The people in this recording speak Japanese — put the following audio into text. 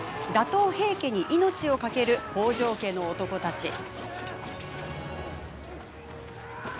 打倒、平家に命を懸ける北条家の男たち。